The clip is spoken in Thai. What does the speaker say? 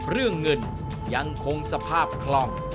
เรื่องเงินยังคงสภาพคล่อง